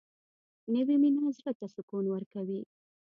نوې مینه زړه ته سکون ورکوي